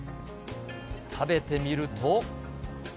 食べてみると。